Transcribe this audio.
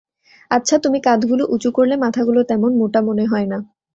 আচ্ছা, তুমি কাঁধগুলো উঁচু করলে মাথাগুলো তেমন মোটা মনে হয় না।